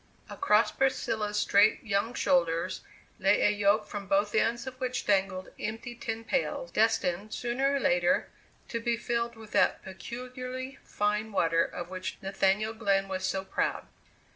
Across Priscilla's straight, young shoulders lay a yoke from both ends of which dangled empty tin pails, destined, sooner or later, to be filled with that peculiarly fine water of which Nathaniel Glenn was so proud.